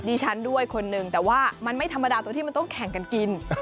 ฉันด้วยคนนึงแต่ว่ามันไม่ธรรมดาตัวที่มันต้องแข่งกันกิน